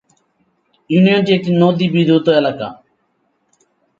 ইউনিয়নটি একটি নদী বিধৌত এলাকা।